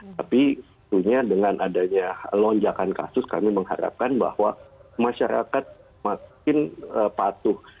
tapi tentunya dengan adanya lonjakan kasus kami mengharapkan bahwa masyarakat makin patuh